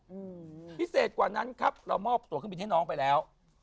อืมพิเศษกว่านั้นครับเรามอบตัวเครื่องบินให้น้องไปแล้ว